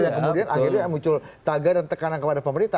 yang kemudian akhirnya muncul taga dan tekanan kepada pemerintah